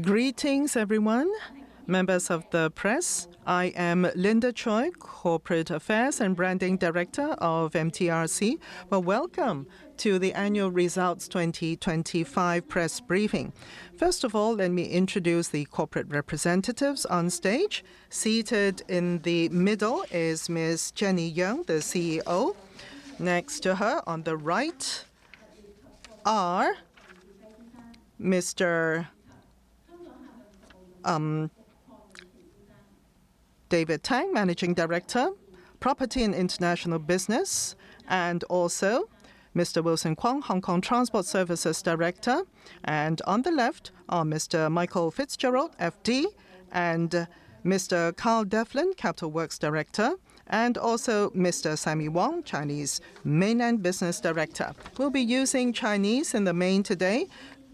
Greetings everyone, members of the press. I am Linda Choy, Corporate Affairs and Branding Director of MTRC. Well, welcome to the Annual Results 2025 Press Briefing. First of all, let me introduce the corporate representatives on stage. Seated in the middle is Ms. Jeny Yeung, the CEO. Next to her on the right are Mr. David Tang, Managing Director, Property and International Business, and also Mr. Wilson Kwong, Hong Kong Transport Services Director. On the left are Mr. Michael Fitzgerald, FD, and Mr. Carl Devlin, Capital Works Director, and also Mr. Sammy Wong, Chinese Mainland Business Director. We'll be using Chinese in the main today.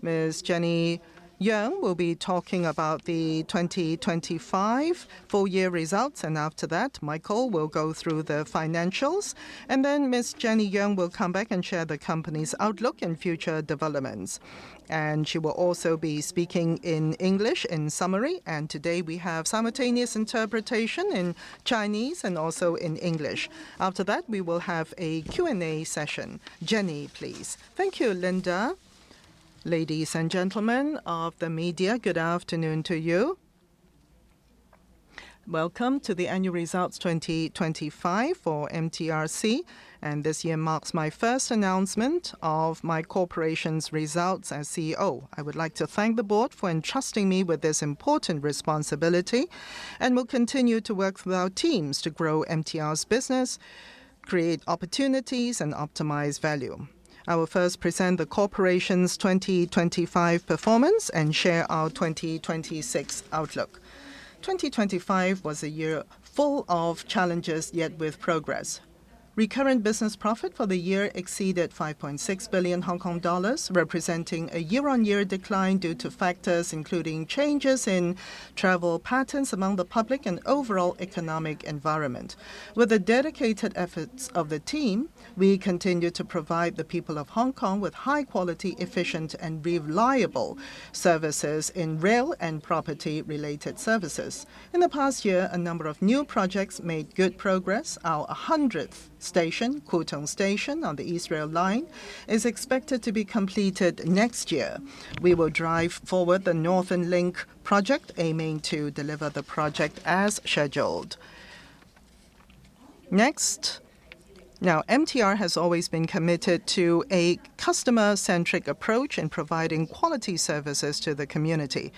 Ms. Jeny Yeung will be talking about the 2025 full year results, and after that, Michael will go through the financials. Ms. Jeny Yeung will come back and share the company's outlook and future developments. She will also be speaking in English in summary. Today we have simultaneous interpretation in Chinese and also in English. After that, we will have a Q&A session. Jeny, please. Thank you, Linda. Ladies and gentlemen of the media, good afternoon to you. Welcome to the annual results 2025 for MTRC, and this year marks my first announcement of my corporation's results as CEO. I would like to thank the board for entrusting me with this important responsibility, and will continue to work with our teams to grow MTR's business, create opportunities, and optimize value. I will first present the corporation's 2025 performance and share our 2026 outlook. 2025 was a year full of challenges, yet with progress. Recurrent business profit for the year exceeded 5.6 billion Hong Kong dollars, representing a year-on-year decline due to factors including changes in travel patterns among the public and overall economic environment. With the dedicated efforts of the team, we continue to provide the people of Hong Kong with high quality, efficient, and reliable services in rail and property related services. In the past year, a number of new projects made good progress. Our hundredth station, Kwu Tung Station on the East Rail Line, is expected to be completed next year. We will drive forward the Northern Link project, aiming to deliver the project as scheduled. Next. Now, MTR has always been committed to a customer-centric approach in providing quality services to the community.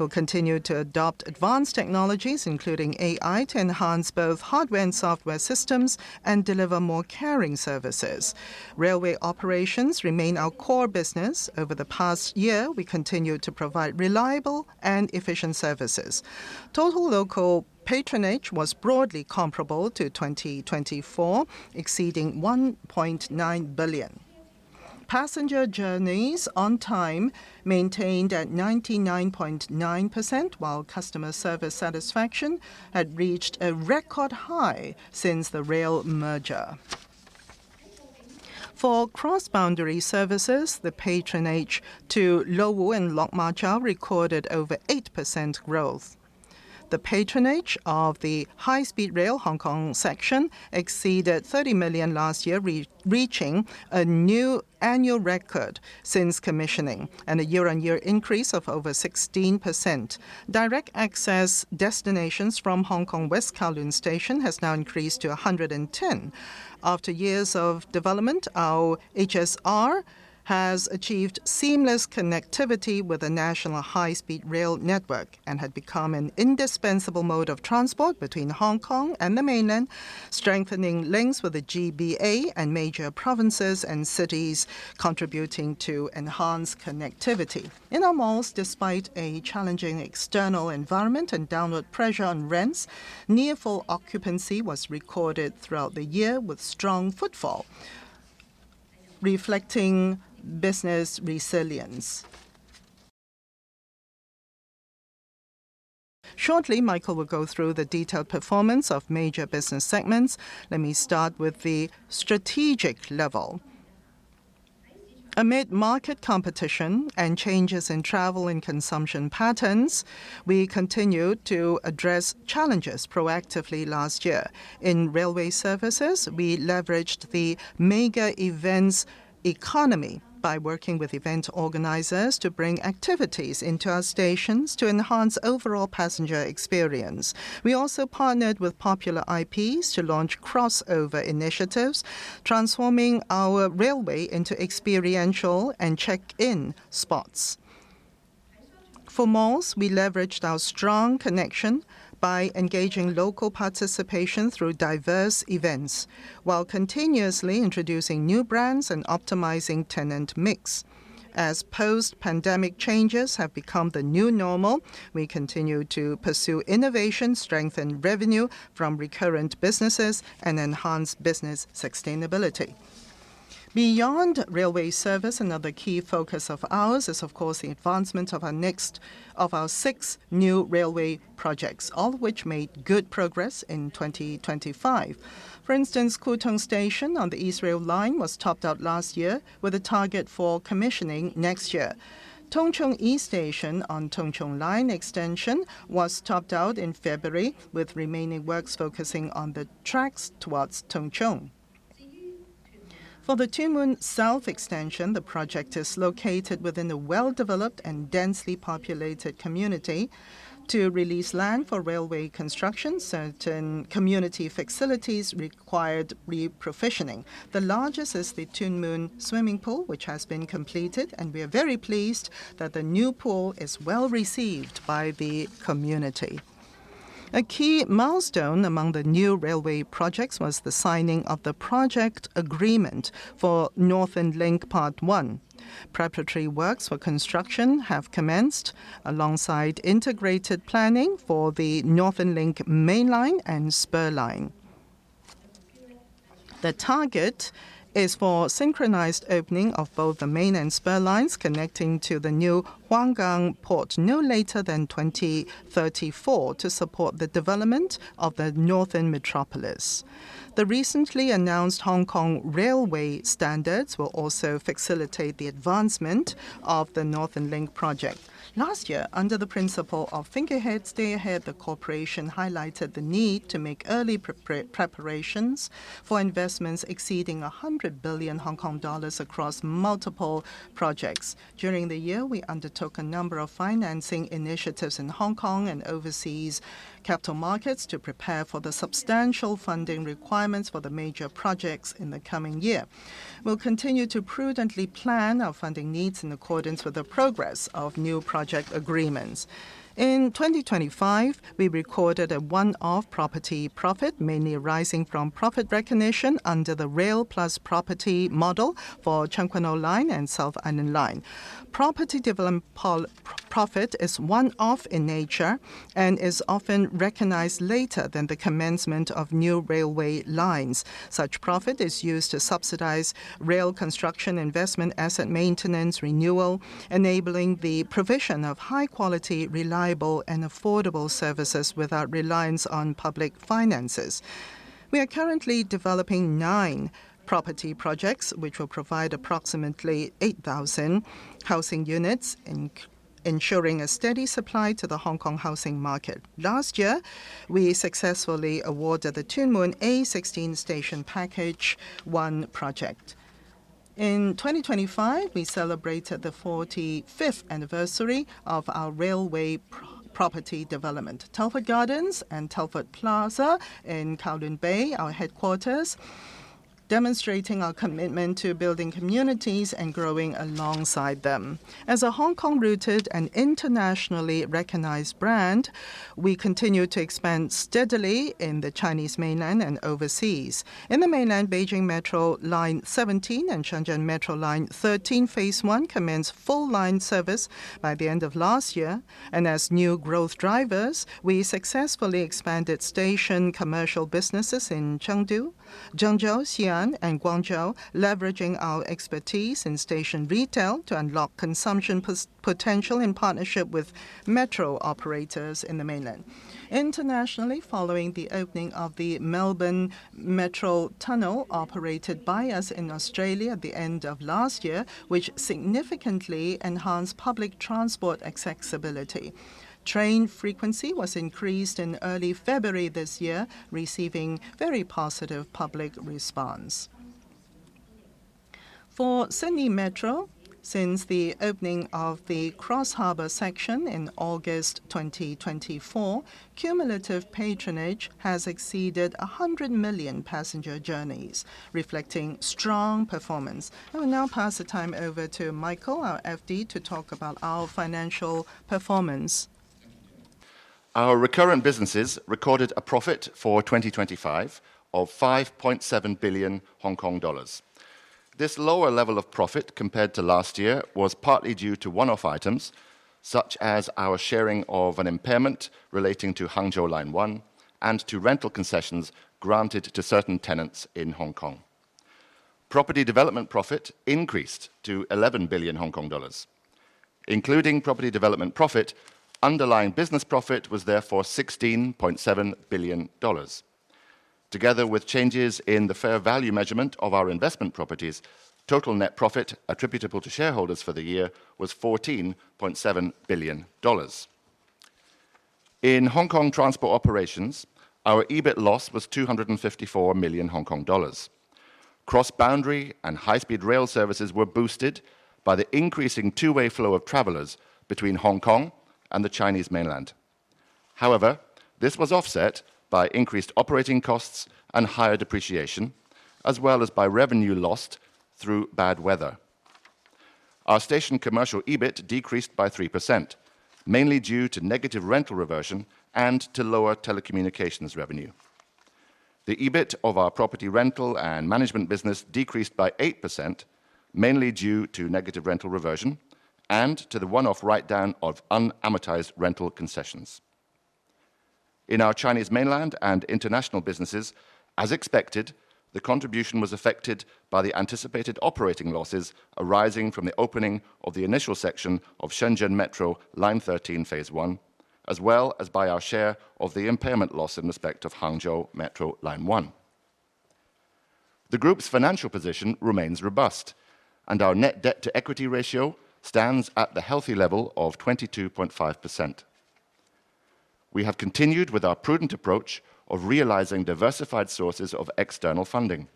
We'll continue to adopt advanced technologies, including AI, to enhance both hardware and software systems and deliver more caring services. Railway operations remain our core business. Over the past year, we continued to provide reliable and efficient services. Total local patronage was broadly comparable to 2024, exceeding 1.9 billion. Passenger journeys on time maintained at 99.9%, while customer service satisfaction had reached a record high since the rail merger. For cross-boundary services, the patronage to Lo Wu and Lok Ma Chau recorded over 8% growth. The patronage of the High Speed Rail Hong Kong section exceeded 30 million last year, reaching a new annual record since commissioning and a year-on-year increase of over 16%. Direct access destinations from Hong Kong West Kowloon station has now increased to 110. After years of development, our HSR has achieved seamless connectivity with the National High-Speed Rail network and had become an indispensable mode of transport between Hong Kong and the Mainland, strengthening links with the GBA and major provinces and cities contributing to enhanced connectivity. In our malls, despite a challenging external environment and downward pressure on rents, near full occupancy was recorded throughout the year with strong footfall, reflecting business resilience. Shortly, Michael will go through the detailed performance of major business segments. Let me start with the strategic level. Amid market competition and changes in travel and consumption patterns, we continued to address challenges proactively last year. In railway services, we leveraged the mega events economy by working with event organizers to bring activities into our stations to enhance overall passenger experience. We also partnered with popular IPs to launch crossover initiatives, transforming our railway into experiential and check-in spots. For malls, we leveraged our strong connection by engaging local participation through diverse events while continuously introducing new brands and optimizing tenant mix. As post-pandemic changes have become the new normal, we continue to pursue innovation, strength, and revenue from recurrent businesses, and enhance business sustainability. Beyond railway service, another key focus of ours is of course the advancement of our six new railway projects, all of which made good progress in 2025. For instance, Kwu Tung Station on the East Rail Line was topped out last year with a target for commissioning next year. Tung Chung East Station on Tung Chung Line extension was topped out in February, with remaining works focusing on the tracks towards Tung Chung. For the Tuen Mun South extension, the project is located within a well-developed and densely populated community to release land for railway construction, certain community facilities required reprovisioning. The largest is the Tuen Mun Swimming Pool, which has been completed, and we are very pleased that the new pool is well-received by the community. A key milestone among the new railway projects was the signing of the project agreement for Northern Link Part 1. Preparatory works for construction have commenced alongside integrated planning for the Northern Link Main Line and Spur Line. The target is for synchronized opening of both the main and spur lines connecting to the new Huanggang Port no later than 2034 to support the development of the Northern Metropolis. The recently announced Hong Kong Railway Standards will also facilitate the advancement of the Northern Link project. Last year, under the principle of think ahead, stay ahead, the corporation highlighted the need to make early preparations for investments exceeding 100 billion Hong Kong dollars across multiple projects. During the year, we undertook a number of financing initiatives in Hong Kong and overseas capital markets to prepare for the substantial funding requirements for the major projects in the coming year. We'll continue to prudently plan our funding needs in accordance with the progress of new project agreements. In 2025, we recorded a one-off property profit, mainly arising from profit recognition under the Rail plus Property model for Tseung Kwan O Line and South Island Line. Property development profit is one-off in nature and is often recognized later than the commencement of new railway lines. Such profit is used to subsidize rail construction investment, asset maintenance, renewal, enabling the provision of high quality, reliable and affordable services without reliance on public finances. We are currently developing nine property projects which will provide approximately 8,000 housing units, ensuring a steady supply to the Hong Kong housing market. Last year, we successfully awarded the Tuen Mun A16 Station Package 1 project. In 2025, we celebrated the 45th anniversary of our railway property development. Telford Gardens and Telford Plaza in Kowloon Bay, our headquarters, demonstrating our commitment to building communities and growing alongside them. As a Hong Kong-rooted and internationally recognized brand, we continue to expand steadily in the Chinese mainland and overseas. In the mainland, Beijing Metro Line 17 and Shenzhen Metro Line 13, phase I commenced full line service by the end of last year. As new growth drivers, we successfully expanded station commercial businesses in Chengdu, Zhengzhou, Xi'an, and Guangzhou, leveraging our expertise in station retail to unlock consumption potential in partnership with metro operators in the mainland. Internationally, following the opening of the Metro Tunnel operated by us in Australia at the end of last year, which significantly enhanced public transport accessibility. Train frequency was increased in early February this year, receiving very positive public response. For Sydney Metro, since the opening of the Cross-Harbour section in August 2024, cumulative patronage has exceeded 100 million passenger journeys, reflecting strong performance. I will now pass the time over to Michael, our FD, to talk about our financial performance. Our recurrent businesses recorded a profit for 2025 of 5.7 billion Hong Kong dollars. This lower level of profit compared to last year was partly due to one-off items, such as our sharing of an impairment relating to Hangzhou Metro Line 1 and to rental concessions granted to certain tenants in Hong Kong. Property development profit increased to 11 billion Hong Kong dollars. Including property development profit, underlying business profit was therefore 16.7 billion dollars. Together with changes in the fair value measurement of our investment properties, total net profit attributable to shareholders for the year was 14.7 billion dollars. In Hong Kong transport operations, our EBIT loss was 254 million Hong Kong dollars. Cross-boundary and High Speed Rail services were boosted by the increasing two-way flow of travelers between Hong Kong and the Chinese mainland. However, this was offset by increased operating costs and higher depreciation, as well as by revenue lost through bad weather. Our station commercial EBIT decreased by 3%, mainly due to negative rental reversion and to lower telecommunications revenue. The EBIT of our property rental and management business decreased by 8%, mainly due to negative rental reversion and to the one-off write down of unamortized rental concessions. In our Chinese Mainland and international businesses, as expected, the contribution was affected by the anticipated operating losses arising from the opening of the initial section of Shenzhen Metro Line 13, phase I, as well as by our share of the impairment loss in respect of Hangzhou Metro Line 1. The group's financial position remains robust, and our net debt-to-equity ratio stands at the healthy level of 22.5%. We have continued with our prudent approach of realizing diversified sources of external funding.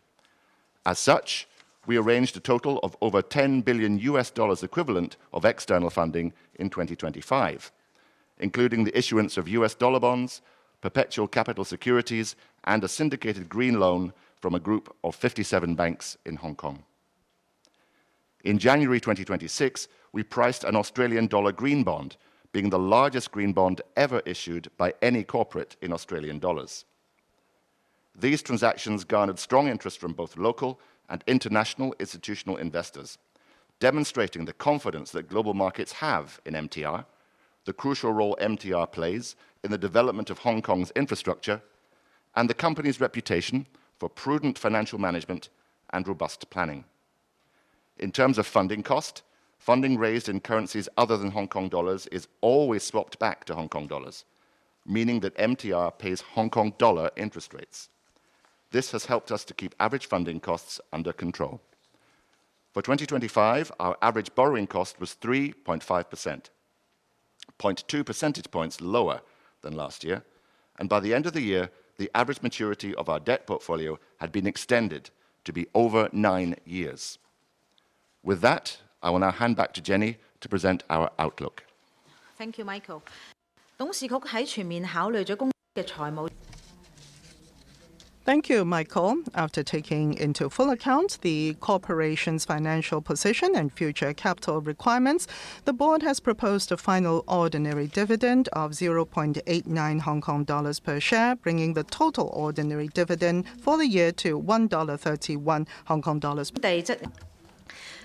As such, we arranged a total of over $10 billion equivalent of external funding in 2025, including the issuance of U.S. dollar bonds, perpetual capital securities, and a syndicated green loan from a group of 57 banks in Hong Kong. In January 2026, we priced an Australian dollar green bond, being the largest green bond ever issued by any corporate in Australian dollars. These transactions garnered strong interest from both local and international institutional investors, demonstrating the confidence that global markets have in MTR, the crucial role MTR plays in the development of Hong Kong's infrastructure, and the company's reputation for prudent financial management and robust planning. In terms of funding cost, funding raised in currencies other than Hong Kong dollars is always swapped back to Hong Kong dollars, meaning that MTR pays Hong Kong dollar interest rates. This has helped us to keep average funding costs under control. For 2025, our average borrowing cost was 3.5%, 0.2 percentage points lower than last year, and by the end of the year, the average maturity of our debt portfolio had been extended to be over nine years. With that, I will now hand back to Jeny to present our outlook. Thank you, Michael. Thank you, Michael. After taking into full account the corporation's financial position and future capital requirements, the board has proposed a final ordinary dividend of 0.89 Hong Kong dollars per share, bringing the total ordinary dividend for the year to 1.31 Hong Kong dollars.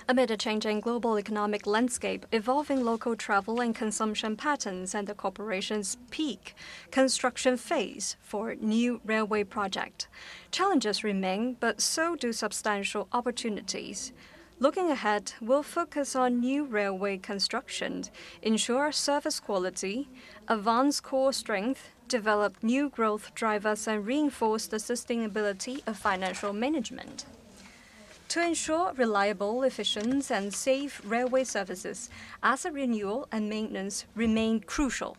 Amid a changing global economic landscape, evolving local travel and consumption patterns, and the corporation's peak construction phase for new railway project, challenges remain, but so do substantial opportunities. Looking ahead, we'll focus on new railway construction, ensure service quality, advance core strength, develop new growth drivers, and reinforce the sustainability of financial management. To ensure reliable, efficient, and safe railway services, asset renewal and maintenance remain crucial.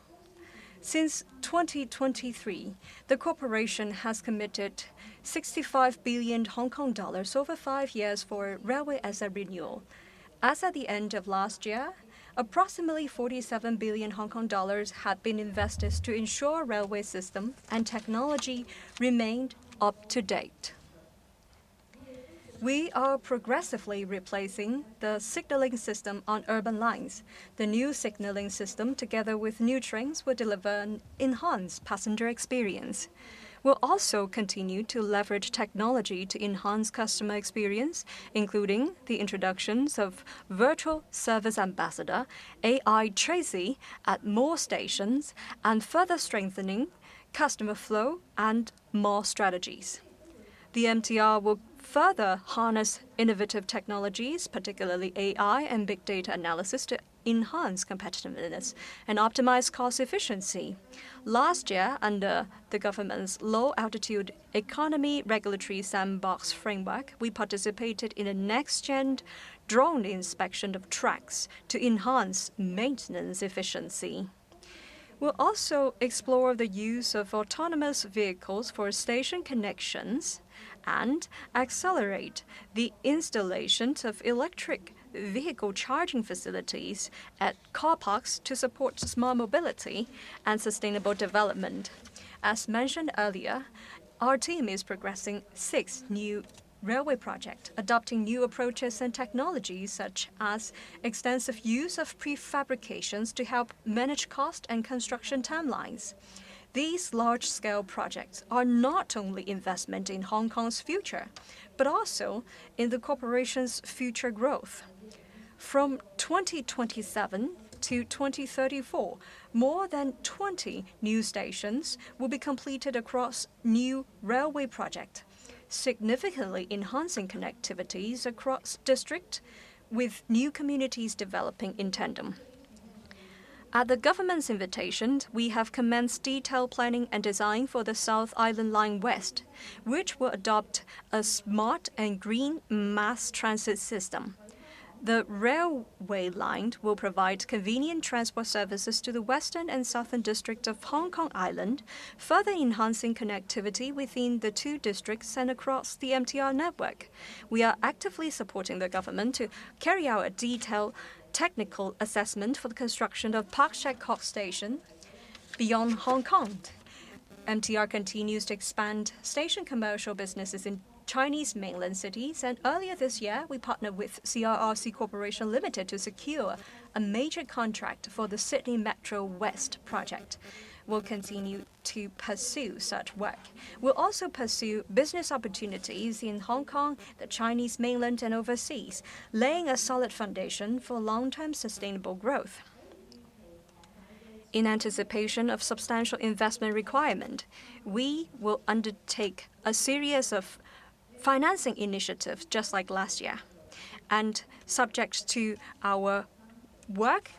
Since 2023, the corporation has committed 65 billion Hong Kong dollars over five years for railway asset renewal. As of the end of last year, approximately 47 billion Hong Kong dollars had been invested to ensure railway system and technology remained up to date. We are progressively replacing the signaling system on urban lines. The new signaling system, together with new trains, will deliver an enhanced passenger experience. We'll also continue to leverage technology to enhance customer experience, including the introductions of virtual service ambassador, AI Tracy, at more stations, and further strengthening customer flow and more strategies. The MTR will further harness innovative technologies, particularly AI and big data analysis, to enhance competitiveness and optimize cost efficiency. Last year, under the government's Low-altitude Economy Regulatory Sandbox framework, we participated in a next-gen drone inspection of tracks to enhance maintenance efficiency. We'll also explore the use of autonomous vehicles for station connections and accelerate the installations of electric vehicle charging facilities at car parks to support smart mobility and sustainable development. As mentioned earlier, our team is progressing six new railway projects, adopting new approaches and technologies, such as extensive use of pre-fabrications to help manage cost and construction timelines. These large-scale projects are not only investment in Hong Kong's future but also in the corporation's future growth. From 2027-2034, more than 20 new stations will be completed across new railway projects, significantly enhancing connectivities across district with new communities developing in tandem. At the government's invitations, we have commenced detailed planning and design for the South Island Line (West), which will adopt a smart and green mass transit system. The railway line will provide convenient transport services to the Western and Southern district of Hong Kong Island, further enhancing connectivity within the two districts and across the MTR network. We are actively supporting the government to carry out a detailed technical assessment for the construction of Pak Shek Kok station. Beyond Hong Kong, MTR continues to expand station commercial businesses in Chinese mainland cities. Earlier this year, we partnered with CRRC Corporation Limited to secure a major contract for the Sydney Metro West project. We'll continue to pursue such work. We'll also pursue business opportunities in Hong Kong, the Chinese Mainland, and overseas, laying a solid foundation for long-term sustainable growth. In anticipation of substantial investment requirement, we will undertake a series of financing initiatives just like last year. Subject to our work,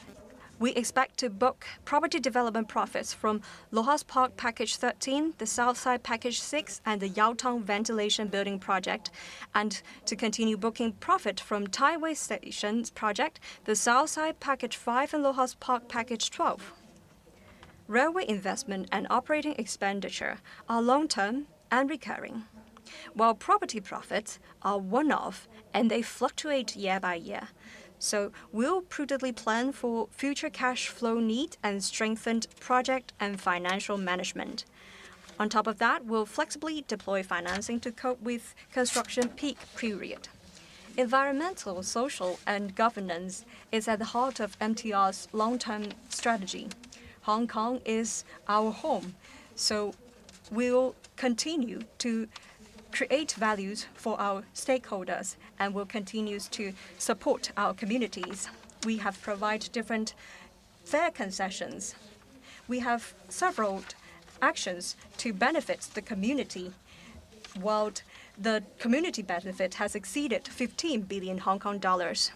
we expect to book property development profits from LOHAS Park Package 13, The Southside Package 6, and the Yau Tong Ventilation Building project, and to continue booking profit from Tai Wai Station project, The Southside Package 5, and LOHAS Park Package 12. Railway investment and operating expenditure are long-term and recurring, while property profits are one-off and they fluctuate year by year. We'll prudently plan for future cash flow need and strengthened project and financial management. On top of that, we'll flexibly deploy financing to cope with construction peak period. Environmental, social, and governance is at the heart of MTR's long-term strategy. Hong Kong is our home, so we'll continue to create values for our stakeholders, and we'll continue to support our communities. We have provided different fare concessions. We have several actions to benefit the community, while the community benefit has exceeded 15 billion Hong Kong dollars.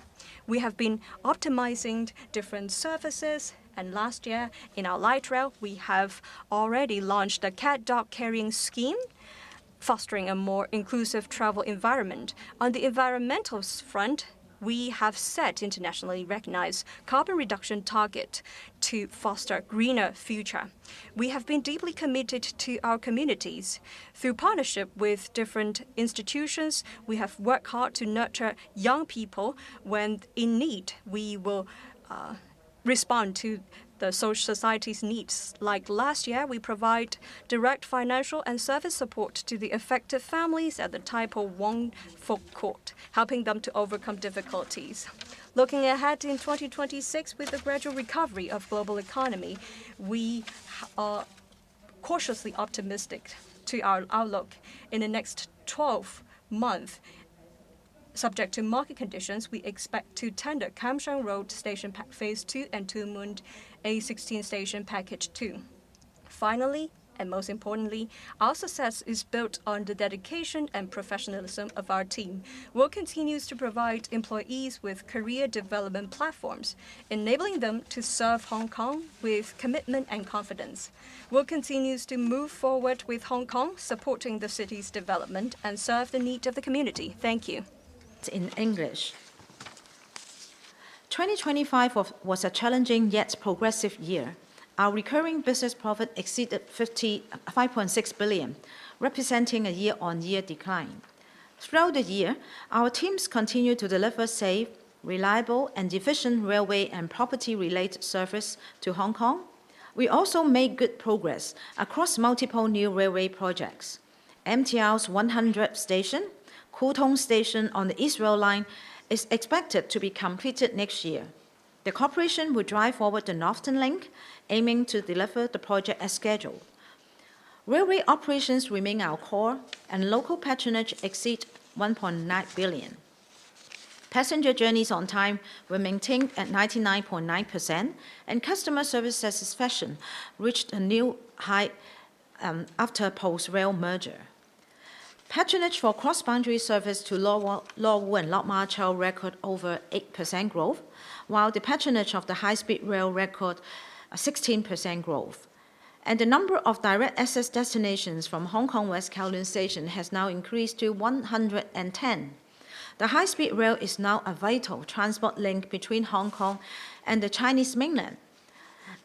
We have been optimizing different services, and last year in our Light Rail we have already launched a cat/dog carrying scheme, fostering a more inclusive travel environment. On the environmental front, we have set internationally recognized carbon reduction target to foster greener future. We have been deeply committed to our communities. Through partnership with different institutions, we have worked hard to nurture young people when in need. We will respond to the social society's needs. Like last year, we provide direct financial and service support to the affected families at the Tai Po Wang Fuk Court, helping them to overcome difficulties. Looking ahead in 2026 with the gradual recovery of global economy, we are cautiously optimistic to our outlook. In the next 12 month, subject to market conditions, we expect to tender Kam Sheung Road Station phase II and Tuen Mun A16 Station Package 2. Finally, and most importantly, our success is built on the dedication and professionalism of our team. We'll continue to provide employees with career development platforms, enabling them to serve Hong Kong with commitment and confidence. We'll continue to move forward with Hong Kong, supporting the city's development and serve the need of the community. Thank you. 2025 was a challenging yet progressive year. Our recurring business profit exceeded 5.6 billion, representing a year-on-year decline. Throughout the year, our teams continued to deliver safe, reliable, and efficient railway and property-related service to Hong Kong. We also made good progress across multiple new railway projects. MTR's 100th station, Kwu Tung Station on the East Rail Line, is expected to be completed next year. The corporation will drive forward the Northern Link, aiming to deliver the project as scheduled. Railway operations remain our core, and local patronage exceed 1.9 billion. Passenger journeys on time were maintained at 99.9%, and customer service satisfaction reached a new high after post-rail merger. Patronage for cross-boundary service to Lo Wu and Lok Ma Chau records over 8% growth, while the patronage of the High Speed Rail records a 16% growth. The number of direct access destinations from Hong Kong West Kowloon Station has now increased to 110. The High Speed Rail is now a vital transport link between Hong Kong and the Chinese mainland.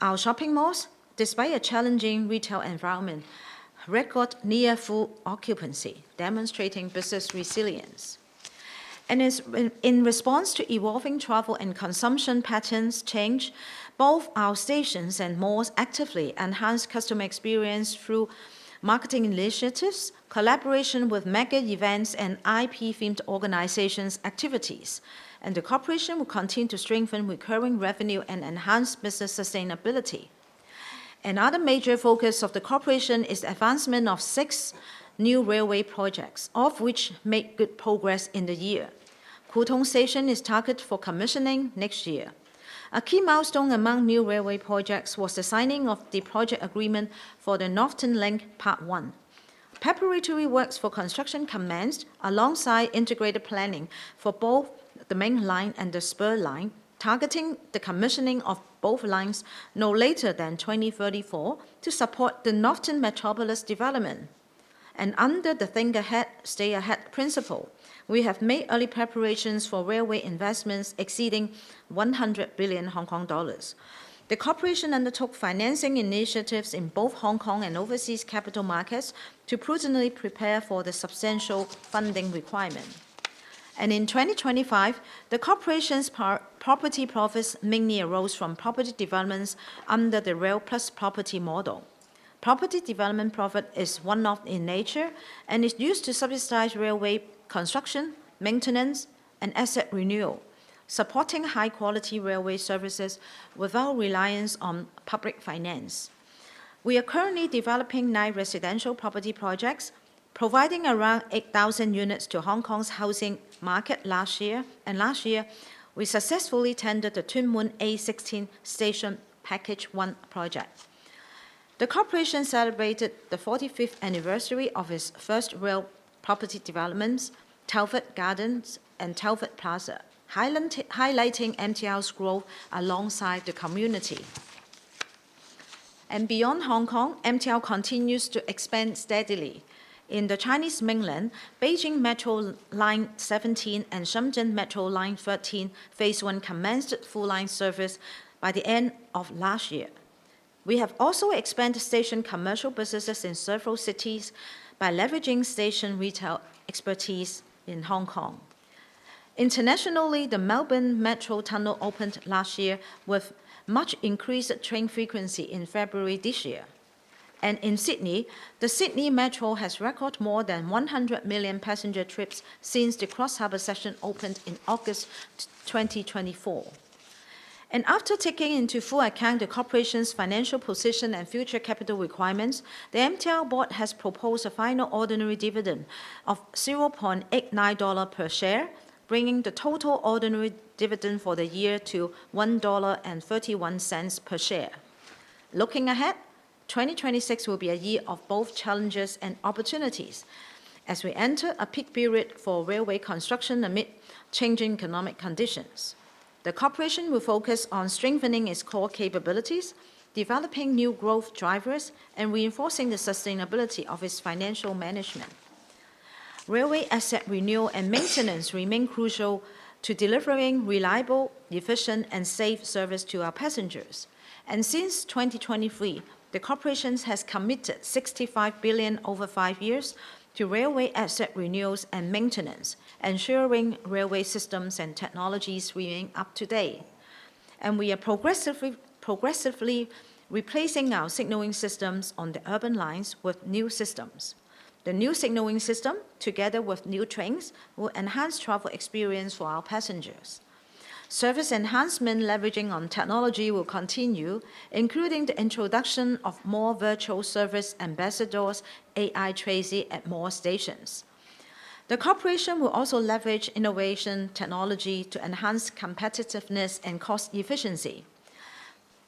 Our shopping malls, despite a challenging retail environment, record near full occupancy, demonstrating business resilience. As in response to evolving travel and consumption patterns change, both our stations and malls actively enhance customer experience through marketing initiatives, collaboration with mega events and IP-themed organizations activities. The corporation will continue to strengthen recurring revenue and enhance business sustainability. Another major focus of the corporation is advancement of six new railway projects, all of which make good progress in the year. Kwu Tung Station is targeted for commissioning next year. A key milestone among new railway projects was the signing of the project agreement for the Northern Link Part 1. Preparatory works for construction commenced alongside integrated planning for both the Main Line and the Spur Line, targeting the commissioning of both lines no later than 2034 to support the Northern Metropolis development. Under the Think Ahead, Stay Ahead principle, we have made early preparations for railway investments exceeding 100 billion Hong Kong dollars. The corporation undertook financing initiatives in both Hong Kong and overseas capital markets to prudently prepare for the substantial funding requirement. In 2025, the corporation's property profits mainly arose from property developments under the Rail plus Property model. Property development profit is one-off in nature and is used to subsidize railway construction, maintenance, and asset renewal, supporting high-quality railway services without reliance on public finance. We are currently developing nine residential property projects, providing around 8,000 units to Hong Kong's housing market last year. Last year, we successfully tendered the Tuen Mun A16 Station Package 1 project. The corporation celebrated the 45th anniversary of its first real property developments, Telford Gardens and Telford Plaza, highlighting MTR's growth alongside the community. Beyond Hong Kong, MTR continues to expand steadily. In the Chinese mainland, Beijing Metro Line 17 and Shenzhen Metro Line 13 phase I commenced full line service by the end of last year. We have also expanded station commercial businesses in several cities by leveraging station retail expertise in Hong Kong. Internationally, the Melbourne Metro Tunnel opened last year with much increased train frequency in February this year. In Sydney, the Sydney Metro has recorded more than 100 million passenger trips since the Cross-Harbour section opened in August 2024. After taking into full account the corporation's financial position and future capital requirements, the MTR board has proposed a final ordinary dividend of 0.89 dollar per share, bringing the total ordinary dividend for the year to 1.31 dollar per share. Looking ahead, 2026 will be a year of both challenges and opportunities as we enter a peak period for railway construction amid changing economic conditions. The corporation will focus on strengthening its core capabilities, developing new growth drivers, and reinforcing the sustainability of its financial management. Railway asset renewal and maintenance remain crucial to delivering reliable, efficient, and safe service to our passengers. Since 2023, the corporation has committed 65 billion over five years to railway asset renewals and maintenance, ensuring railway systems and technologies remain up to date. We are progressively replacing our signaling systems on the urban lines with new systems. The new signaling system, together with new trains, will enhance travel experience for our passengers. Service enhancement leveraging on technology will continue, including the introduction of more virtual service ambassadors, AI Tracy at more stations. The corporation will also leverage innovation technology to enhance competitiveness and cost efficiency.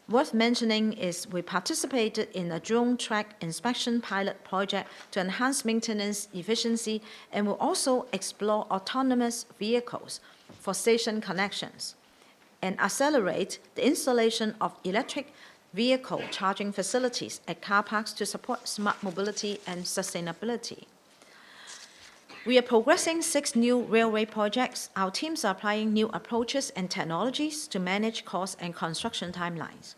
Worth mentioning is we participated in a drone track inspection pilot project to enhance maintenance efficiency and will also explore autonomous vehicles for station connections and accelerate the installation of electric vehicle charging facilities at car parks to support smart mobility and sustainability. We are progressing six new railway projects. Our teams are applying new approaches and technologies to manage costs and construction timelines.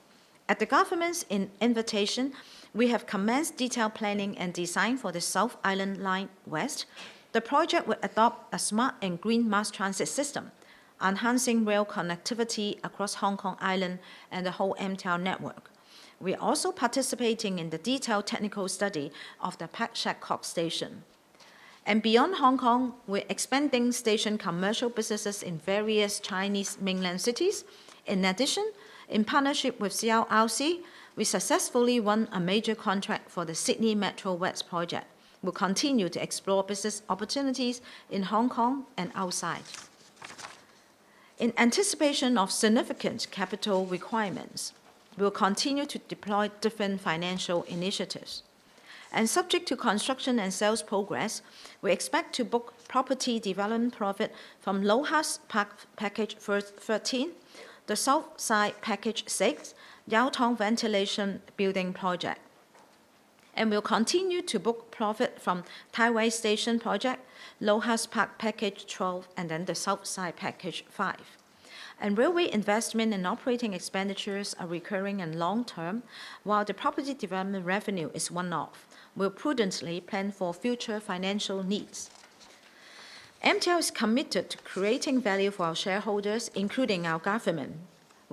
At the government's invitation, we have commenced detailed planning and design for the South Island Line (West). The project will adopt a smart and green mass transit system, enhancing rail connectivity across Hong Kong Island and the whole MTR network. We are also participating in the detailed technical study of the Pak Shek Kok Station. Beyond Hong Kong, we're expanding station commercial businesses in various Chinese mainland cities. In addition, in partnership with CRRC, we successfully won a major contract for the Sydney Metro West project. We'll continue to explore business opportunities in Hong Kong and outside. In anticipation of significant capital requirements, we will continue to deploy different financial initiatives. Subject to construction and sales progress, we expect to book property development profit from LOHAS Park Package 13, The Southside Package 6, Yau Tong Ventilation Building project. We'll continue to book profit from Tai Wai Station project, LOHAS Park Package 12, and then The Southside Package 5. Railway investment and operating expenditures are recurring and long-term, while the property development revenue is one-off. We'll prudently plan for future financial needs. MTR is committed to creating value for our shareholders, including our government.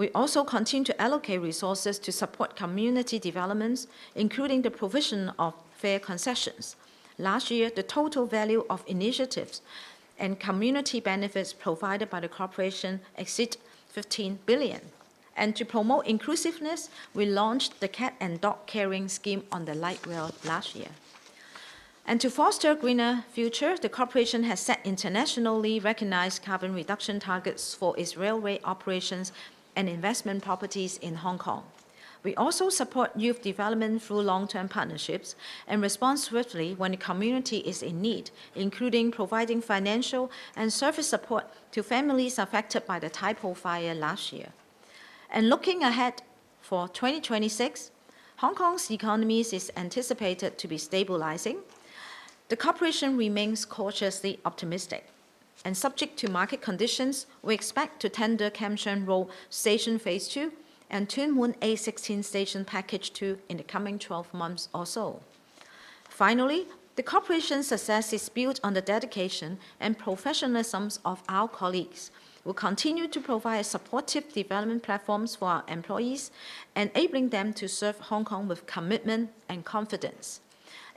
We also continue to allocate resources to support community developments, including the provision of fair concessions. Last year, the total value of initiatives and community benefits provided by the corporation exceed 15 billion. To promote inclusiveness, we launched the cat and dog carrying scheme on the Light Rail last year. To foster a greener future, the corporation has set internationally recognized carbon reduction targets for its railway operations and investment properties in Hong Kong. We also support youth development through long-term partnerships and respond swiftly when the community is in need, including providing financial and service support to families affected by the Tai Po fire last year. Looking ahead for 2026, Hong Kong's economy is anticipated to be stabilizing. The corporation remains cautiously optimistic. Subject to market conditions, we expect to tender Kam Sheung Road Station phase II and Tuen Mun A16 Station Package 2 in the coming 12 months or so. Finally, the corporation's success is built on the dedication and professionalism of our colleagues, who continue to provide supportive development platforms for our employees, enabling them to serve Hong Kong with commitment and confidence.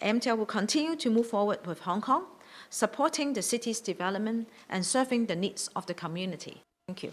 MTR will continue to move forward with Hong Kong, supporting the city's development and serving the needs of the community. Thank you.